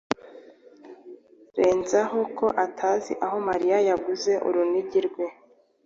Renzaho ko atazi aho Mariya yaguze urunigi rwe.